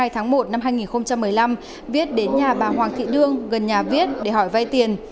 hai mươi tháng một năm hai nghìn một mươi năm viết đến nhà bà hoàng thị đương gần nhà viết để hỏi vay tiền